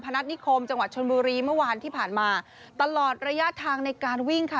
นัทนิคมจังหวัดชนบุรีเมื่อวานที่ผ่านมาตลอดระยะทางในการวิ่งค่ะ